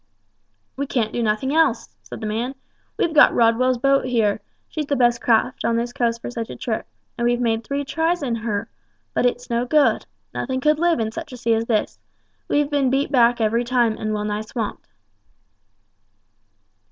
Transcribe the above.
"We can't do nothing else," said the man; "we've got Rodwell's boat here she's the best craft on this coast for such a trip, and we've made three tries in her, but it's no good; nothing could live in such a sea as this; we've been beat back every time, and well nigh swamped."